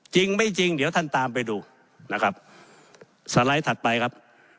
จริงไม่จริงเดี๋ยวท่านตามไปดูนะครับสไลด์ถัดไปครับ